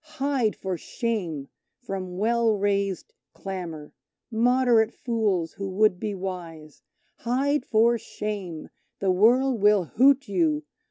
Hide for shame from well raised clamour, moderate fools who would be wise; Hide for shame the World will hoot you!